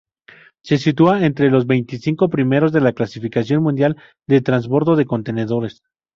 Se sitúa entre los veinticinco primeros de la clasificación mundial de trasbordo de contenedores.